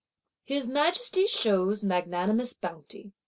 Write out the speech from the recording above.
His Majesty shows magnanimous bounty.